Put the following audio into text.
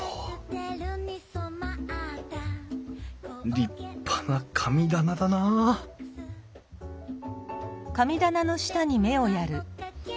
立派な神棚だなあうん？